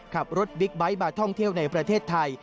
ขับรถบิ๊กไบท์มาท่องเที่ยวในประเทศไทย